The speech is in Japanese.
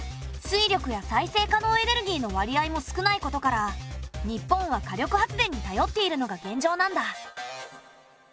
水力や再生可能エネルギーの割合も少ないことから日本は火力発電にたよっているのが現状なんだ。